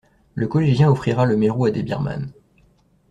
Le collégien offrira le mérou à des birmanes.